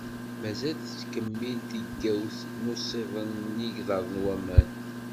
Mazal tettkemmil tigawt n usiḍen n yigḍaḍ n waman.